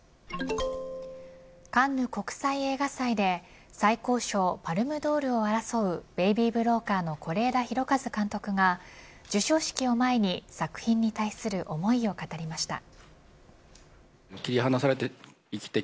カンヌ国際映画祭で最高賞パルムドールを争うベイビー・ブローカーの是枝裕和監督が受賞式を前に作品に対する思いを語りました。